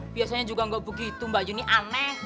biasanya juga gak begitu mbak yu ini aneh